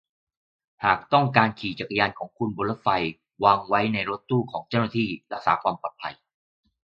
หากต้องการขี่จักรยานของคุณบนรถไฟวางไว้ในรถตู้ของเจ้าหน้าที่รักษาความปลอดภัย